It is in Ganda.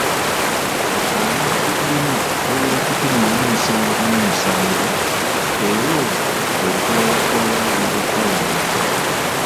Abantu be tulina bawera kikumi mu nsanvu mu musanvu era olwo lwe lukalala olwaweebwa Paalamenti.